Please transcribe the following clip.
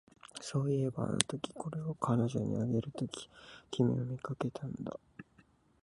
そういえば、あのとき、これを彼女にあげるとき、君を見かけたんだ